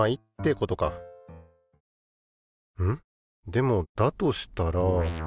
でもだとしたら。